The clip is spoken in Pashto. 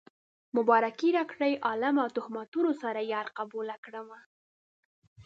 مبارکي راکړئ عالمه د تهمتونو سره يار قبوله کړمه